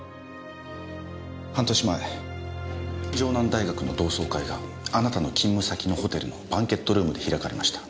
半年前城南大学の同窓会があなたの勤務先のホテルのバンケットルームで開かれました。